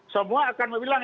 semua akan bilang